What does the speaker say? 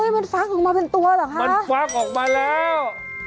มันฟักออกมาเป็นตัวเหรอคะมันฟักออกมาแล้ว